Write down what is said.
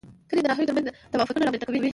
کلي د ناحیو ترمنځ تفاوتونه رامنځ ته کوي.